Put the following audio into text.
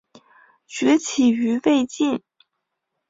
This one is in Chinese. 崛起于魏晋。